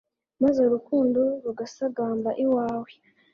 maze urukundo rugasagamba iwawe